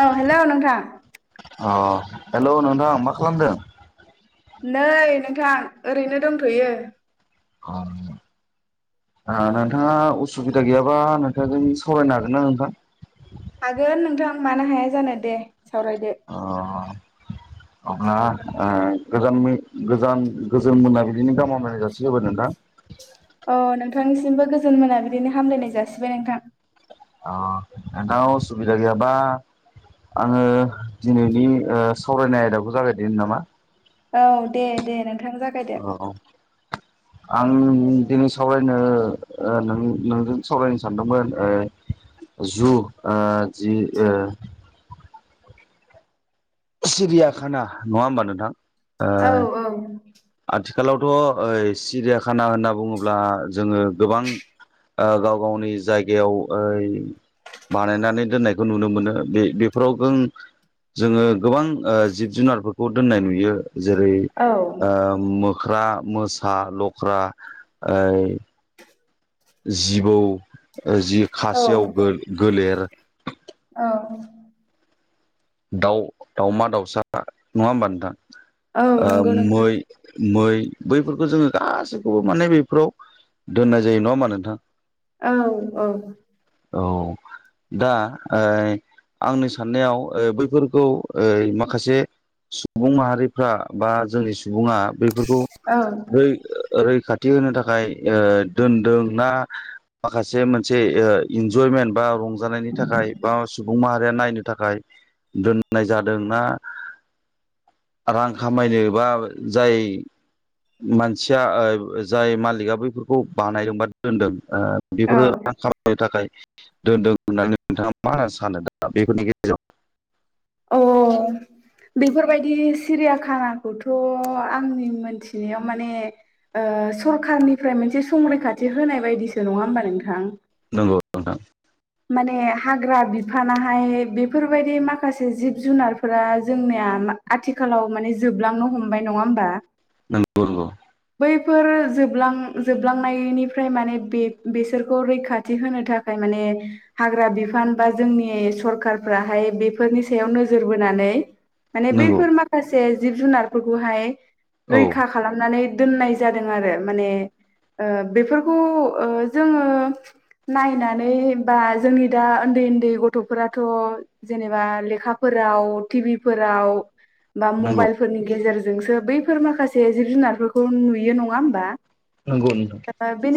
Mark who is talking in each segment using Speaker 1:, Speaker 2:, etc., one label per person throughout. Speaker 1: औ हेल' नोंथां।
Speaker 2: अ हेल' नोंथां मा खालामदों?
Speaker 1: नै नोंथां ओरैनो दंथ'यो।
Speaker 2: अ। ओ नोंथाङा उसुबिदा गैयाबा नोंथांजों सावरायनो हागोनना नोंथां?
Speaker 1: हागोन नोंथां मानो हाया जानो दे सावरायदो।
Speaker 2: अ [inaudible] अब्ला ओ गोजान गोजान गोजोन मोनाबिलि गाहाम हामलायनायखौ जासि होबाय नोंथां। [inaudible]
Speaker 1: अ नोंथांनिसिमबो गोजोन मोनाबिलिनि हामलायनाय जासिबाय नोंथां।
Speaker 2: अ नोंथाङा उसुबिदा गैयाबा आङो दिनैनि ओ सावरायनाय आयदाखौ जागायदिनि नामा?
Speaker 1: औ दे दे नोंथां जागायदो।
Speaker 2: औ औ [inaudible] आं दिनै सावरायनो ओ नोंजों सावरायनो सानदोंमोन ओ जु ओ जि ओ सिरियाकाना नङा होमबा नोंथां? ओ
Speaker 1: औ औ।
Speaker 2: आथिखालावथ' ओ सिरियाकाना होनना बुङोब्ला जोङो गोबां गाव गावनि जायगायाव ओ बानायनानै दोननायखौ नुनो मोनो बे बेफोराव जों जोङो गोबां ओ जिब जुनारफोरखौ दोननाय नुयो जेरै
Speaker 1: औ
Speaker 2: ओ मो ख्रा मोसा लख्रा ओ जिबौ जि
Speaker 1: औ
Speaker 2: खासेयाव गो गोलेर
Speaker 1: औ
Speaker 2: दाउ दाउमा दाउसा नङा होमबा नोंथां
Speaker 1: औ
Speaker 2: ओ
Speaker 1: नंगौ नोंथां
Speaker 2: मै मै बैफोरखौ जोङो गासैखौबो माने बेफ्राव दोननाय जायो नङा होमबा नोंथां
Speaker 1: औ औ
Speaker 2: औ दा ओइ आंनि साननायाव ओ बैफोरखौ ओ माखासे सुबुं माहारिफ्रा बा जोंनि सुबुङा बेफोरखौ
Speaker 1: औ
Speaker 2: बै रैखाथि होनो थाखाय ओ दोनदों ना माखासे मोनसे इन्जय बा रंजानायनि थाखाय बा सुबुं माहारिया नायनो थाखाय दोननाय जादों ना रां खामायनो बा जाय मानसिया जाय मालिगा बैफोरखौ बानायदोंबा दोनदों ओ
Speaker 1: औ
Speaker 2: बेफोरो रां खालामनो थाखाय दोनदों होननानै नोंथाङा मा होनना सानो दा बेफोरनि गेजेर हेलौ
Speaker 1: अ बेफोरबायदि सिरियाखानाखौथ आंनि मोनथिनायाव माने ओ सरखारनिफ्राय मोनसे संरैखाथि होनाय बायदिसो नङा होमबा नोंथां
Speaker 2: नंगौ नोंथां
Speaker 1: माने हाग्रा बिफानाहाय बेफोरबायदि माखासे जिब जुनारफोरा जोंनिया आथिखालाव माने जोबलांनो हमबाय नङा होमबा
Speaker 2: नोंगौ नोंगौ
Speaker 1: बैफोर जोबलां जोबलांनायनिफ्राय माने बे बेसोरखौ रैखाथि होनो थाखाय म माने हाग्रा बिफान बा जोंनि सरखारफ्राहाय बेफोरनि सायाव नोजोर बोनानै माने
Speaker 2: नंगौ नंगौ
Speaker 1: बेफोर माखासे जिब जुनारफोरखौहाय
Speaker 2: औ
Speaker 1: रैखा खालामनानै दोननाय जादों आरो माने ओ बेफोरखौ ओ जोङो नायनानै बा जोंनि दा ओन्दै ओन्दै गथफोराथ जेनेबा लेखाफोराव टि भि फोराव राव बा
Speaker 2: नंगौ
Speaker 1: मबाइलफोरनि गेजेरजोंसो बैफोर माखासे जिब जुनारफोरखौ नुयो नङा होमबा
Speaker 2: नोंगौ नोंथां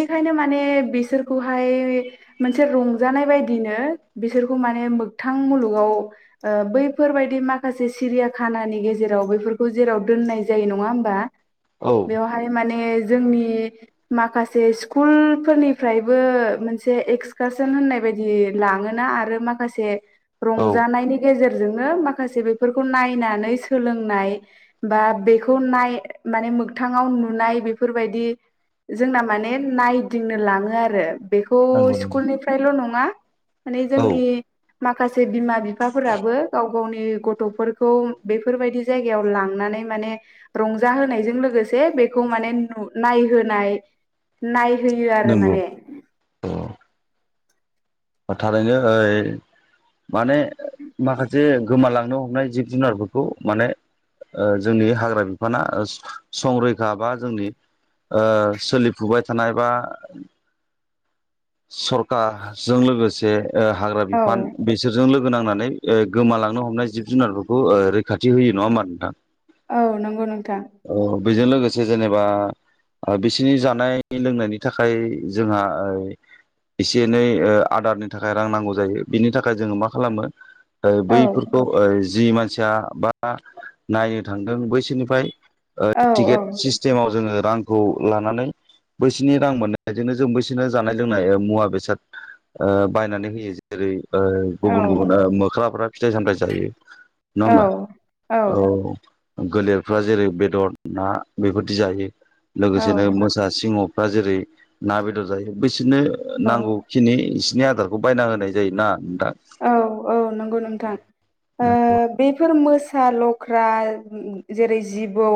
Speaker 1: बेखायनो माने बिसोरखौहाय मोनसे रुम जानाय बायदिनो बिसोरखौ माने मोगथां मुलुगाव ओ बैफोरबायदि माखासे सिरियाखानानि गेजेराव बेफोरखौ जेराव दोननाय जायो नङा होमबा
Speaker 2: औ
Speaker 1: बेवहाय माने जोंनि माखासे स्कुल फोरनिफ्रायबो मोनसे एक्सकास थोन होननाय बायदि लाङोना आरो माखासे
Speaker 2: औ
Speaker 1: रंजानायनि गेजेर जोंनो माखासे बेफोरखौ नायनानै सोलोंनाय बा बेखौ नाय माने मोखथाङाव नुनाय बेफोरबायदि जोंना माने नायदिंनो लाङो आरो बेखौ
Speaker 2: नंगौ नोंथां
Speaker 1: स्कुलनिफ्रायल नङा माने
Speaker 2: औ
Speaker 1: जोंनि माखासे बिमा बि फाफोराबो गाव गावनि गथफोरखौ बेफोरबायदि जायगायाव लांनानै माने रंजा होनायजों लोगोसे बे बेखौ माने नु नायहोनाय नाय होयो आरो
Speaker 2: नंगौ
Speaker 1: माने
Speaker 2: औ थारैनो ओइ माने माखासे गोमालांनो हमनाय जिब जुनारफोरखौ माने ओ जोंनि हाग्रा बिफाना संरैखा बा जोंनि ओ सोलिफुबाय थानाय बा सरकाजों लोगोसे ओ हाग्रा
Speaker 1: औ
Speaker 2: बिफान बेसोरजों लोग गोनांनानै ओ गोमालांनो हमनाय जिब जुनारफोरखौ ओ रैखाथि होयो नङा होमबा नोंथां?
Speaker 1: औ नंगौ नोंथां।
Speaker 2: औ बेजों लोगोसे जेनेबा ओ बिसिनि जानाय लोंनायनि थाखाय जोंहा ओ एसे एनै ओ आदारनि थाखाय रां नांगौ जायो बिनि थाखाय जोङो मा खालामो ओ
Speaker 1: औ
Speaker 2: बैफोरखौ ओ जि मानसिया बा नायनो थांदों बैसोरनिफ्राय ओ
Speaker 1: औ औ
Speaker 2: टिकेट सिस्टेमाव जोङो रांखौ लानानै बैसोरनि रां मोननायजोंनो जों बैसोरनो जानाय लोंनाय ओ मुवा बेसाद ओ बायनानै होयो जेरै ओ
Speaker 1: औ
Speaker 2: गुबुन- गुबुन ओ मोख्राफ्रा फिथाइ-सामथाय जायो नङा
Speaker 1: औ
Speaker 2: होमबा औ। गोलेरफ्रा जेरै बेदद ना बेफोरदि जायो
Speaker 1: औ
Speaker 2: लोगोसेनो मोसा सिंह बा जेरै ना बेदर जायो बैसोरनो
Speaker 1: औ
Speaker 2: नांगौखिनि खिनि आदारखौ बायना होनाय जायो ना। नोंथां
Speaker 1: औ-औ नंगौ नोंथां ओ बेफोर मोस सा लख्रा उम-उम जेरै जिबौ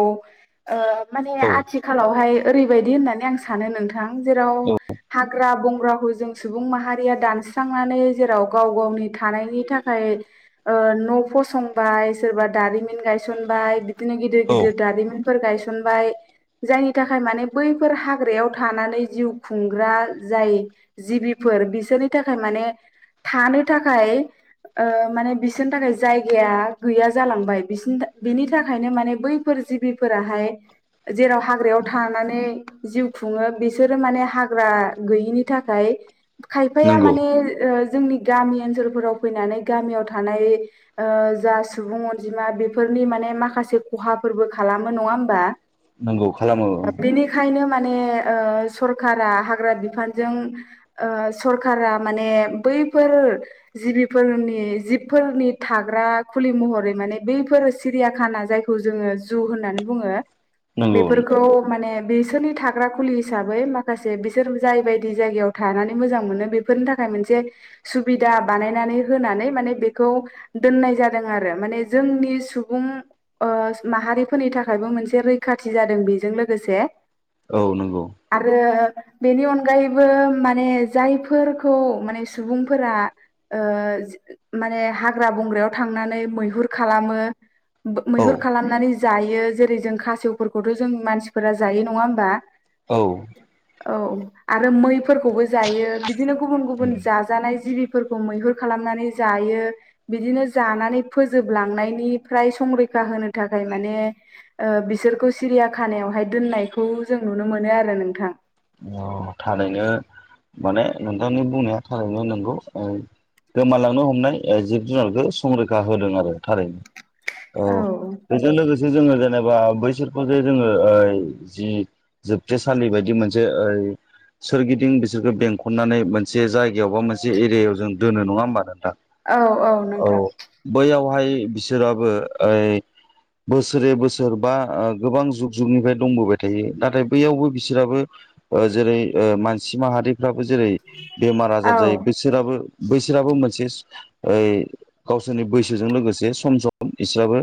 Speaker 1: ओ माने
Speaker 2: औ
Speaker 1: आथिखालावहाय ओरैबायदि होननानै आं सानो नोंथां जेराव
Speaker 2: औ
Speaker 1: हाग्रा बंग्राखौ जों सुबुं माहारिया दान स्रांनानै जेराव गाव गावनि थानायनि थाखाय ओ न' फसंबाय सोरबा दारिमिन गायसनबाय बि दिनो
Speaker 2: औ
Speaker 1: गिदिर-गिदिर दारिमिनफोर गायसनबाय जायनि थाखाय माने बैफोर हाग्रायाव थानानै जिउ खुंग्रा जाय जिबिफो फोर बिसोरनि थाखाय माने थानो थाखाय ओ माने बिसोरनि थाखाय जायगाया गैया जालांबाय बिसिनि था बिनि थाखायनो माने बैफोर जिबिफोराहाय जेराव हाग्रायाव थानानै जिउ खुङो बिसोरो माने हाग्रा गैयिनि थाखाय खायफाया
Speaker 2: नंगौ
Speaker 1: माने ओ जोंनि गामि ओनसोलफोराव फैनानै गामियाव थानाय ओ जा सुबुं अनजिमा बेफोरनि मान ने माखासे खहाफोरबो खालामो नङा होमबा
Speaker 2: नंगौ खालामो ओ।
Speaker 1: बेनिखायनो माने ओ सरखारा हाग्रा बिफानजों ओ सरखारा माने बै फोर जिबिफोरनि जिबफोरनि थाग्रा खुलि महरै माने बैफोर सि रिया खाना जायखौ जोङो जु होननानै बुङो
Speaker 2: नंगौ
Speaker 1: बेफोरखौ माने बेसोरनि थाग्रा खुलि हिसाबै माखासे बिसोर जाय बायदि जायगायाव थानानै मोजां मोनो बेफोरनि थाखाय मोनसे सुबिदा बानायनानै होनानै माने बेखौ दोननाय जादों आरो माने जोंनि सुबुं [inaudible] ओ माहारिफोरनि थाखायबो मोनसे रैखाथि जादों बेजों लोगोसे
Speaker 2: औ नोंगौ।
Speaker 1: आरो बेनि अनगायैबो माने जायफोरखौ माने सुबुं फोरा ओ जि माने हाग्रा बंग्रायाव थांनानै मैहुर खालामो बो
Speaker 2: औ
Speaker 1: मैहुर खालामनानै जायो जेरै जों खासेवफोरखौथ' जों मानसिफोरा जायो नङा होमबा
Speaker 2: औ।
Speaker 1: औ आरो मैफोरखौबो जायो बिदिनो गुबुन-गुबुन जाजानाय जिबिफोरखौ मैहुर खालामनानै जायो बिदिनो जानानै फोजोब लांनायनिफ्राय स संरैखा होनो थाखाय माने ओ बिसोरखौ सिरिया खानायावहाय दोननायखौ जों नुनो मोन नो आरो नोंथां।
Speaker 2: अ थारैनो माने नोंथांनि बुंनाया थारैनो नोंगौ। ओ गोमालांनो हमनाय ओ जिब जुनारखो संरैखा होदों आरो थारैनो। औ बेजों लोगोसे जोङो जेने बा बैसोरखौ जे जोङो ओ जि जोबथेसालि बायदि मोनसे ओइ सोरगिदिं बिसोरखौ बेंखननानै मोनसे जायगायाव बा मोनसे एरियायाव जों दोनो नङा होमबा नोंथां।
Speaker 1: औ
Speaker 2: औ
Speaker 1: नोंथां
Speaker 2: बैयावहाय बिसोराबो ओइ बोसोरे बोसोर बा गोबां जुग-जुगनिफ्राय दंबोबाय थायो नाथाय बैयावबो बिसोराबो ओ जेरै ओ मानसि माहारिफ्राबो जेरै बेमार
Speaker 1: औ
Speaker 2: आजार जायो बेसोराबो बैसोराबो मोनसे ओइ गावसोरनि बैसोजों लोगोसे सम सम इसोराबो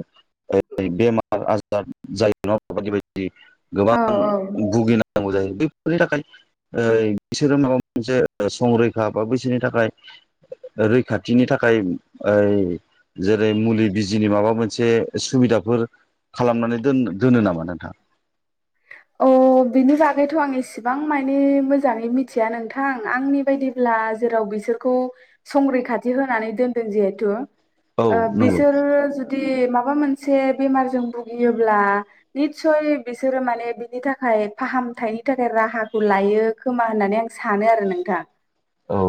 Speaker 2: बेमार आजार जायो नङा होमबा बायदि बायदि
Speaker 1: औ
Speaker 2: गोबां भुगिनांगौ जायो। बैफोरनि थाखाय ओ बिसोरो माबा मोनसे संरैखा बा बैसोरनि थाखाय रैखाथिनि थाखाय ओइ जेरै मुलि बिजिनि माबा मोनसे सुबिदाफोर खालामनानै दोन दोनो नामा नोंथाङा?
Speaker 1: अ बिनि बागैथ' आं इसिबां माने मोजाङै मिथिया नोंथां आंनि बायदिब्ला जेराव बिसोरखौ संरैखाथि होनानै दोनदों जहेथु
Speaker 2: औ
Speaker 1: ओ
Speaker 2: नंगौ
Speaker 1: बिसोरो जुदि मा माबा मोनसे बेमारजों भुगियोब्ला नितस्य बिसोरो माने बिनि थाखाय फाहामथायनि थाखाय राहाखौ लायो खोमा होननानै आं सानो आरो नोंथां।
Speaker 2: औ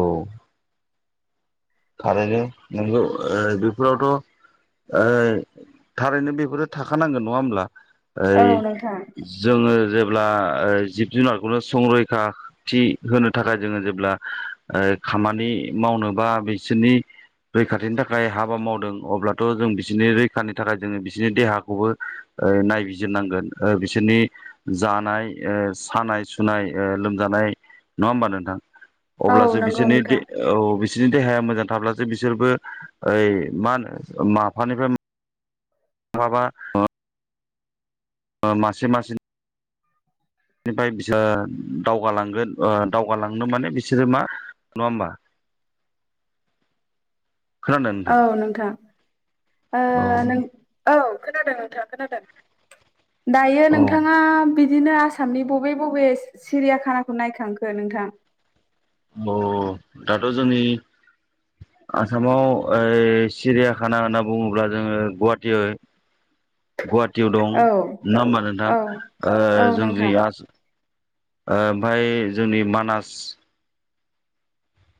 Speaker 2: थारैनो नोंगौ ओ बेफोरावथ ओ थारैनो बेफोरो थाखानांगोन नङा होमब्ला?
Speaker 1: औ
Speaker 2: ओइ
Speaker 1: नोंथां
Speaker 2: जोङो जेब्ला ब्ला जिब जुनारखौनो संरैखाथि होनो थाखाय जोङो जेब्ला खामानि मावनोबा बिसोरनि रैखाथिनि थाखाय हाबा मावदों अब्लाथ' जों बिसोरनि रैखानि थाखाय जोङो बिसोरनि देहाखौबो ओ नायबिजिरनांगोन ओ बिसोरनि जानाय ओ सानाय सुनाय ओ लोमजानाय नङा होमबा नोंथां?
Speaker 1: औ
Speaker 2: अब्लासो
Speaker 1: नंगौ
Speaker 2: बिसोरनि
Speaker 1: नोंथां
Speaker 2: औ बिसोरनि देहाया मोजां थाब्लासो बिसोरबो ओइ मा होनो माफानिफ्राय मा बबा [inaudible] ओ मासे मासेनि बेनिफ्राय बिसोर दावगालांगोन ओ दावगालांनो माने बिसोरो मा नङा होमबा? [unintelligible]
Speaker 1: औ नोंथां ओ
Speaker 2: औ
Speaker 1: नों औ खोनादों नोंथाङा खोनादों दायो
Speaker 2: औ
Speaker 1: नोंथाङा बिदिनो आसामनि बबे बबे सिरियाखानाखौ नायखांखो नोंथां?
Speaker 2: औ दाथ' जोंनि आसामाव ओइ सिरियाखाना होनना बुङोब्ला जोङो गुवाहाटीयाव गुवाहाटियाव दं
Speaker 1: औ
Speaker 2: नङा होमबा नोंथाङा
Speaker 1: औ
Speaker 2: ओ
Speaker 1: औ
Speaker 2: जोंनि
Speaker 1: नोंथां
Speaker 2: आसाम ओ ओमफ्राय जोंनि मानास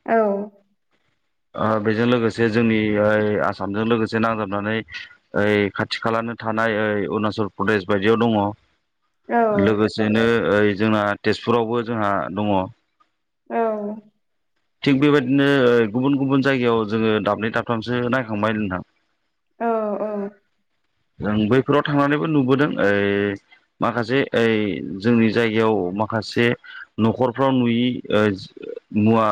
Speaker 1: औ
Speaker 2: ओ बेजों लोगोसे जोंनि ओइ आसामजों लोगोसे नांजाबनानै ओइ खाथि खालानि थानाय ओइ अरुणाचल प्रदेश बायदियाव दङ
Speaker 1: औ औ
Speaker 2: लोगोसेनो ओइ जोंना तेजपुरावबो जोंहा दङ।
Speaker 1: औ
Speaker 2: थिग बेबायदिनो गुबुन गुबुन जायगायाव जोङो दाबनै दाबथामसो नायखांबाय नोंथां।
Speaker 1: औ औ।
Speaker 2: जों बैफोराव थांनानैबो नुबोदों ओइ माखासे ओइ जोंनि जायगायाव माखासे न'खरफ्राव नुयि ओ मुवा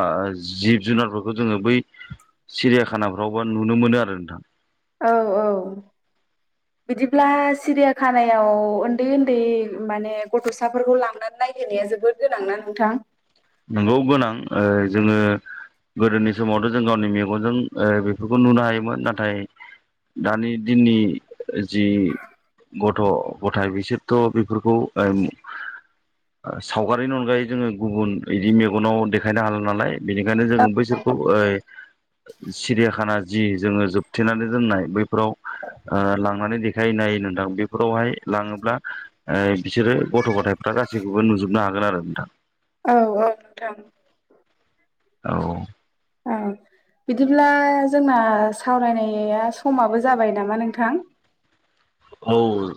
Speaker 2: जिब जुनारफोरखौ जोङो बै सिरियाखानाफ्रावबा नुनो मोनो आरो नोंथां।
Speaker 1: औ औ बिदिब्ला सिरियाखानायाव उन्दै उन्दै माने गथ'साफोरखौ लांनानै नायहोनाया जोबोद गोनांना नोंथां?
Speaker 2: नंगौ गोनां ओ जोङो गोदोनि समावथ' जों गावनि मेगनजों ओ बेफोरखौ नुनो हायोमोन, नाथाय दानि दिननि जि गथ' गथाय बिसोरथ' बेफोरखौ ओम सावगारिनि अनगायै जोङो गुबुन बिदि मेगनाव देखायनो हाला नालाय बेनिखायनो जों बैसोरखौ ओ सिरियाखाना जि जोङो जोबथेनानै दोननाय बैफोराव ओ लां माने देखायहैनो नोंथां बेफोरावहाय लाङोब्ला ओ बिसोरो गथ' गथायफ्रा गासैखौबो नु जोबनो हागोन आरो नोंथां।
Speaker 1: औ औ नोंथां।
Speaker 2: औ।
Speaker 1: औ बिदिब्ला जोंना सावरायनाया समाबो जाबाय नामा नोंथां।
Speaker 2: औ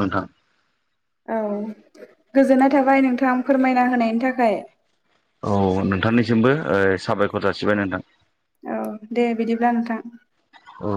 Speaker 2: नोंथां।
Speaker 1: औ गोजोननाय थाबाय नोंथां फोरमायना होनायनि थाखाय।
Speaker 2: औ नोंथांनिसिमबो ओ साबायखर जासिबाय नोंथां।
Speaker 1: औ दे बिदिब्ला नोंथां।
Speaker 2: औ।